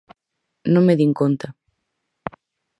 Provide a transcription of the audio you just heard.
Non me din conta.